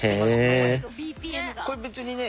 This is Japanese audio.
これ別にね